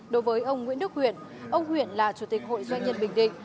đối với ông nguyễn đức huyện ông huyện là chủ tịch hội doanh nhân bình định